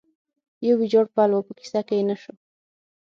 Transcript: یو ویجاړ پل و، په کیسه کې یې نه شو.